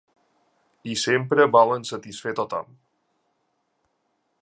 I sempre volen satisfer tothom.